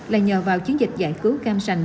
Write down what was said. là nhờ vào chiến dịch giải cứu cam xanh